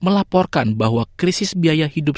melaporkan bahwa krisis biaya hidup